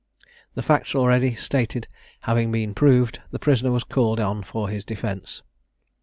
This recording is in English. The facts already stated having been proved, the prisoner was called on for his defence.